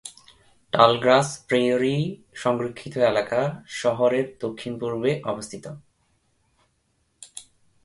টালগ্রাস Prairie সংরক্ষিত এলাকা শহরের দক্ষিণ-পূর্বে অবস্থিত।